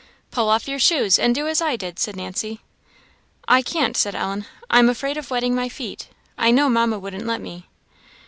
"Pull off your shoes, and do as I did," said Nancy. "I can't," said Ellen; "I'm afraid of wetting my feet; I know mama wouldn't let me."